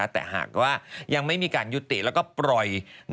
แต่หากว่ายังไม่มีการยุติแล้วก็ปล่อย